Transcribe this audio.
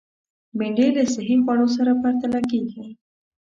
بېنډۍ له صحي خوړو سره پرتله کېږي